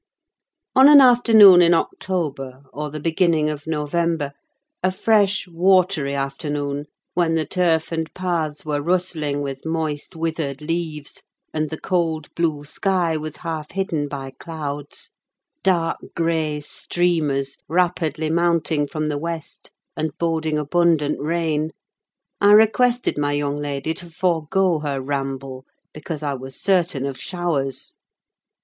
On an afternoon in October, or the beginning of November—a fresh watery afternoon, when the turf and paths were rustling with moist, withered leaves, and the cold blue sky was half hidden by clouds—dark grey streamers, rapidly mounting from the west, and boding abundant rain—I requested my young lady to forego her ramble, because I was certain of showers.